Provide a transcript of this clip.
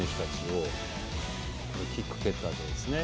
キック蹴ったあとですね。